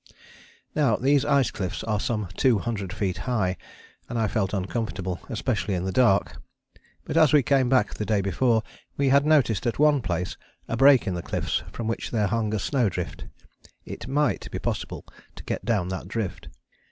Now these ice cliffs are some two hundred feet high, and I felt uncomfortable, especially in the dark. But as we came back the day before we had noticed at one place a break in the cliffs from which there hung a snow drift. It might be possible to get down that drift.